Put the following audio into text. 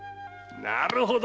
なるほど！